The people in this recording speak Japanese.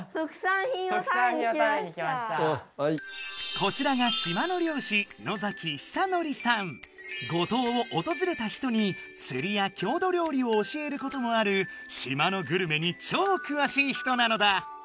こちらが島の五島をおとずれた人につりや郷土料理を教えることもある島のグルメにちょうくわしい人なのだ！